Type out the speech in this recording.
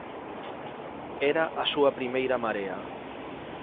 Era a súa primeira marea.